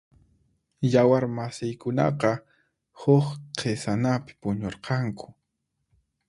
Yawar masiykunaqa huk q'isanapi puñurqanku.